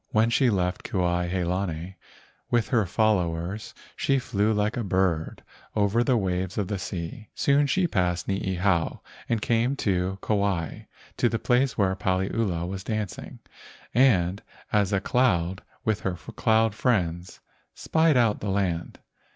When she left Kuai he lani with her followers she flew like a bird over the waves of the sea. Soon she passed Niihau and came to Kauai to the place where Paliula was dancing, and as a cloud with her cloud friends spied out the land.